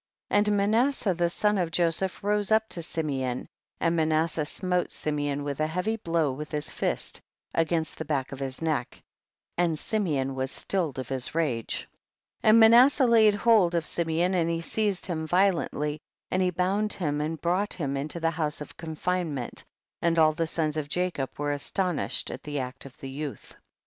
42. And Manasseh the son of Joseph rose up to Simeon, and Manas seh smote Simeon a heavy blow with his fist against the back of his neck, and Simeon was stilled of his rage. THE BOOK OF JASHER. 163 43. And Manasseh laid hold of Simeon and he seized him violently and he bound him and brought him into the house of confinement, and all the sons of Jacob were astonished at the act of the youth.